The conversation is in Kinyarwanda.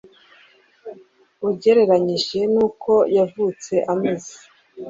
ugereranyije nuko yavutse ameze